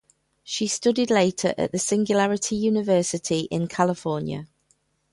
She studied later at the Singularity University in California.